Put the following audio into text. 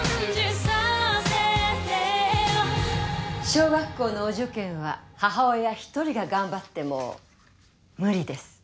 小学校のお受験は母親一人が頑張っても無理です。